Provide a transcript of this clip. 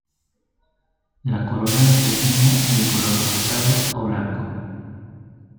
La corola es pequeña y de color rosado o blanco.